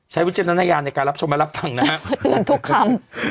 ใช้วิจัยนานยานในการรับชมและรับฐังนะฮะเตือนทุกคำ